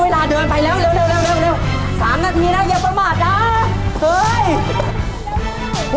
เวลาเดินไปแล้วเร็วเร็วเร็วเร็วสามนาทีนะเยี่ยมประมาทอ่ะเฮ้ย